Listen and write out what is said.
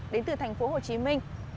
đến từ thành phố hồ chí minh